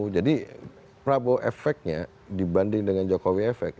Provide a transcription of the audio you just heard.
jadi prabowo efeknya dibanding dengan jokowi efek